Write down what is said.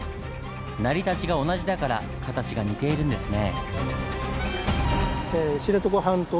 成り立ちが同じだから形が似ているんですね。